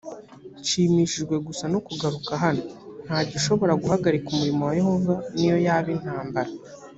nshimishijwe gusa no kugaruka hano nta gishobora guhagarika umurimo wa yehova niyo yaba intambara